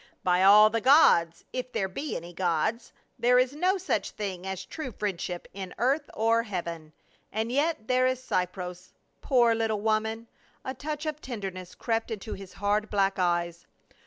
By all the gods — if there be any gods — there is no such thing as true friendship in earth or heaven ! And yet there is Cypres, poor little woman "— a touch of tenderness crept into his hard black eyes.